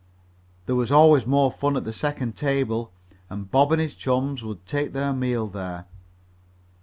There was always more fun at the second table, and Bob and his chums would take their meals there.